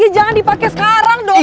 ya jangan dipake sekarang dong